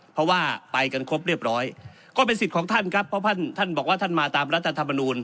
เพราะว่าไปกันครบเรียบร้อยก็เป็นสิทธิ์ของท่านครับเพราะท่านบอกว่าท่านมาตามรัฐธรรมนูล